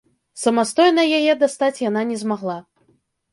Самастойна яе дастаць яна не змагла.